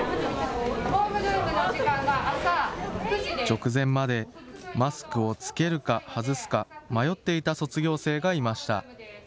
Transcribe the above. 直前まで、マスクを着けるか外すか迷っていた卒業生がいました。